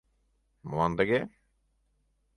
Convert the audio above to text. Молан тыге?